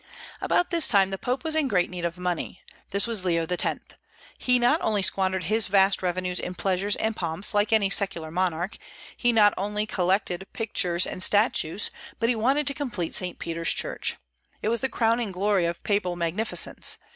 About this time the Pope was in great need of money: this was Leo X. He not only squandered his vast revenues in pleasures and pomps, like any secular monarch; he not only collected pictures and statues, but he wanted to complete St. Peter's Church. It was the crowning glory of papal magnificence.